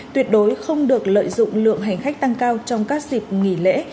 tuyệt đối không được lợi dụng lượng hành khách tăng cao trong các dịp nghỉ lễ